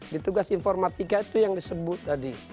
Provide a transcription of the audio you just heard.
di tugas informatika itu yang disebut tadi